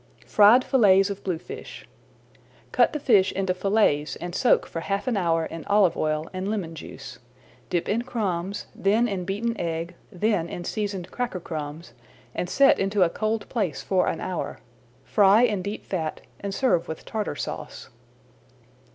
FRIED FILLETS OF BLUEFISH Cut the fish into fillets and soak for half an hour in olive oil and lemon juice. Dip in crumbs, then in beaten egg, then in seasoned [Page 77] cracker crumbs, and set into a cold place for an hour. Fry in deep fat and serve with Tartar Sauce.